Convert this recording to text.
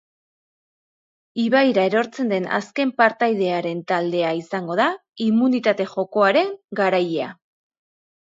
Ibaira erortzen den azken partaidearen taldea izango da immunitate jokoaren garailea.